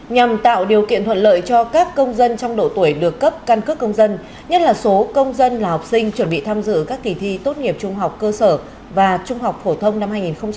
nhằm tạo điều kiện thuận lợi cho các công dân trong độ tuổi được cấp căn cước công dân nhất là số công dân là học sinh chuẩn bị tham dự các kỳ thi tốt nghiệp trung học cơ sở và trung học phổ thông năm hai nghìn hai mươi